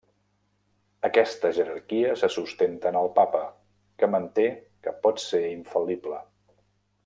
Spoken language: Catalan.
Aquesta jerarquia se sustenta en el Papa, que manté que pot ser infal·lible.